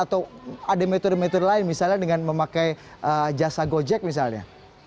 atau ada metode metode lain misalnya dengan memakai jasa gojek misalnya